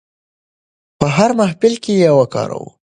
په هر محفل کې یې وکاروو.